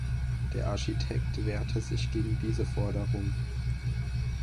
Der Architekt wehrte sich gegen diese Forderung.